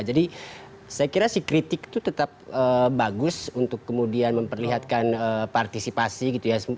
jadi saya kira sih kritik itu tetap bagus untuk kemudian memperlihatkan partisipasi gitu ya